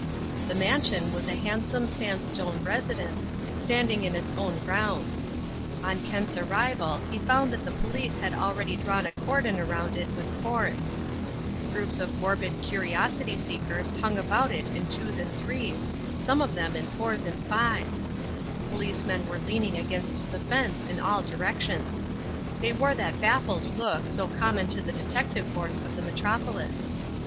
The mansion was a handsome sandstone residence, standing in its own grounds. On Kent's arrival he found that the police had already drawn a cordon around it with cords. Groups of morbid curiosity seekers hung about it in twos and threes, some of them in fours and fives. Policemen were leaning against the fence in all directions. They wore that baffled look so common to the detective force of the metropolis.